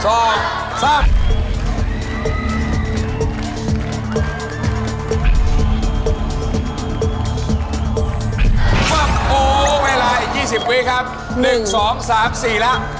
โอ้ไม่ละอีก๒๐วินาทีครับ